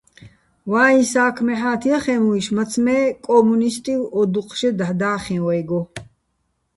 ვაიჼ სა́ქმ ეჰ̦ა́თ ჲახეჼ მუჲშ, მაცმე́ კო́მუნისტივ ო დუჴ ჟე დაჰ̦ და́ხიჼ ვაჲგო.